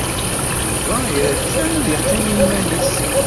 Yuba ira kan ad yeqqim i yiman-nnes.